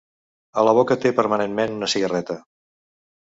A la boca té permanentment una cigarreta.